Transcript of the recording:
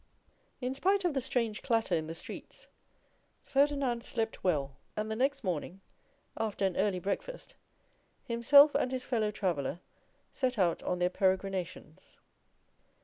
In spite of the strange clatter in the streets, Ferdinand slept well, and the next morning, after an early breakfast, himself and his fellow traveller set out on their peregrinations.